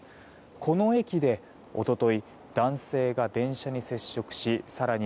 この駅で、一昨日男性が電車に接触し更に